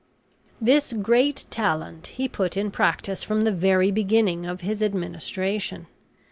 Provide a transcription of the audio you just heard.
This great talent he put in practice from the very beginning of his administration.